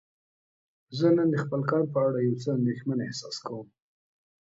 زه نن د خپل کار په اړه یو څه اندیښمن احساس کوم.